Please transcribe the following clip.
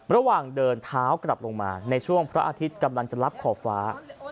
ระหว่างเดินเท้ากลับลงมาในช่วงพระอาทิตย์กำลังจะรับขอบฟ้า